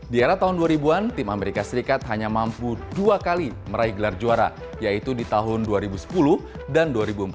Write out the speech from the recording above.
di era tahun dua ribu an tim amerika serikat hanya mampu dua kali meraih gelar juara yaitu di tahun dua ribu sepuluh dan dua ribu empat belas